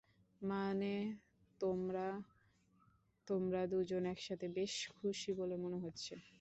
মানে, তোমরা, তোমরা দুজন একসাথে বেশ খুশি বলে মনে হচ্ছে।